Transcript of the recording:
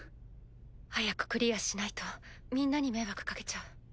早くクリアしないとみんなに迷惑かけちゃう。